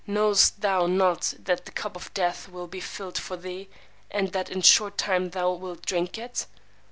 Knowest thou not that the cup of death will be filled for thee, and that in a short time thou wilt drink it?